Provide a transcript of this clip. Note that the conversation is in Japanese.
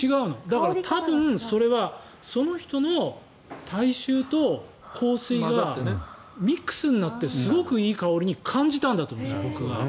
だから、多分それはその人の体臭と香水がミックスになってすごくいい香りに感じたんだと思うんです、僕が。